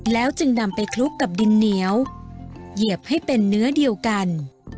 แล้วจึงนำไปคลุกกับดินเหนียวเหยียบให้เป็นเนื้อเดียวกัน